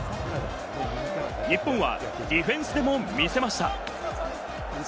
日本はディフェンスでも見せました。